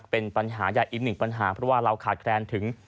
เป็นปัญหาใหญ่อีกหนึ่งปัญหาเพราะว่าเราขาดแคลนถึง